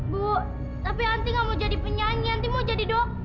bu tapi anti gak mau jadi penyanyi anti mau jadi dokter